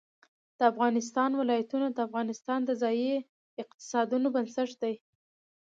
د افغانستان ولايتونه د افغانستان د ځایي اقتصادونو بنسټ دی.